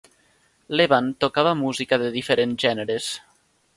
Levan tocava música de diferents gèneres.